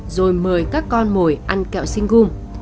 rồi mời các con mồi ăn kẹo sinh gum